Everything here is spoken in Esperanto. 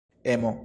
emo